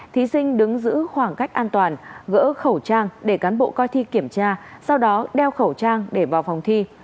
thí sinh đứng giữ khoảng cách an toàn gỡ khẩu trang để cán bộ coi thi kiểm tra sau đó đeo khẩu trang để vào phòng thi